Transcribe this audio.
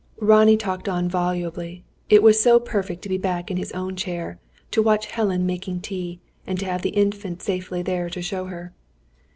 Ronnie talked on volubly. It was so perfect to be back in his own chair; to watch Helen making tea; and to have the Infant safely there to show her.